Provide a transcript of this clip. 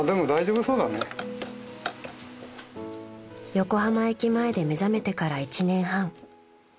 ［横浜駅前で目覚めてから１年半］